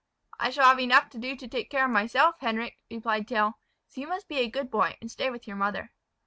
"I shall have enough to do to take care of myself, Henric," replied Tell. "So you must be a good boy, and stay with your mother."